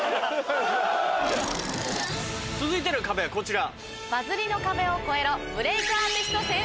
続いての壁はこちら。